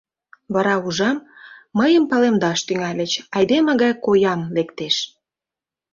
Вара, ужам, мыйым палемдаш тӱҥальыч - айдеме гай коям, лектеш...